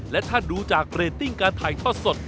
และถ้าดูจากเรตติ้งการถ่ายทอดสด